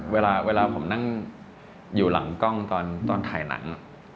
เวลาผมนั่งอยู่หลังกล้องตอนถ่ายหนัง